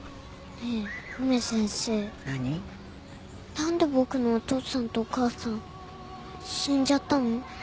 なんで僕のお父さんとお母さん死んじゃったの？